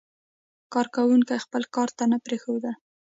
کارکوونکي خپل کار ته نه پرېښودل.